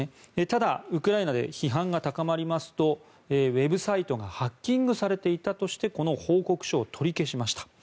ただ、ウクライナで批判が高まりますとウェブサイトがハッキングされていたとしてこの報告書を取り消しました。